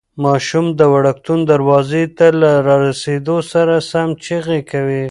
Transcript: ماشوم د وړکتون دروازې ته له رارسېدو سره سم چیغې کوي.